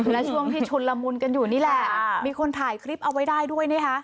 และช่วงที่ชุนละมุนกันอยู่นี่แหละมีคนถ่ายคลิปเอาไว้ได้ด้วยนะคะ